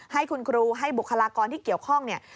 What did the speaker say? ให้คุณครูให้บุคลากรที่เกี่ยวข้องเนี่ย